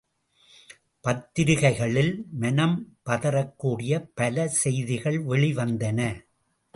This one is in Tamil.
பத்திரிகைகளில் மனம் பதறக்கூடிய பல செய்திகள் வெளிவந்தன.